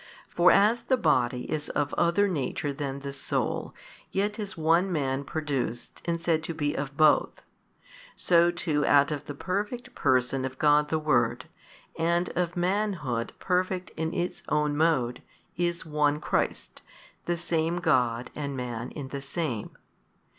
For as the body is of other nature than the soul, yet is one man |194 produced and said to be of both; so too out of the Perfect Person of God the Word, and of manhood perfect in its own mode, is One Christ, the Same God and Man in the Same.